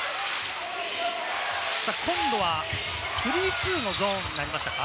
今度はスリーツーのゾーンになりましたか？